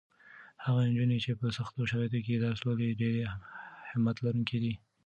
هغه نجونې چې په سختو شرایطو کې درس لولي ډېرې همت لرونکې دي.